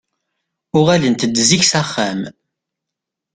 Uɣalent-d zik s axxam.